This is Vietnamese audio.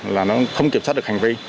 là nó không kiểm soát được hành vi